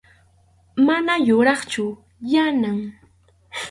Mana yuraqchu Yanam.